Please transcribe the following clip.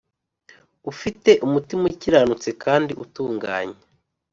ufite umutima ukiranutse kandi utunganye